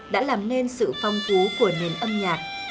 đã làm nên sự phong phú của nền âm nhạc